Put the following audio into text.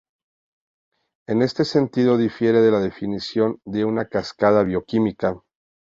En este sentido, difiere de la definición de una cascada bioquímica.